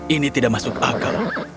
ini tidak masuk akal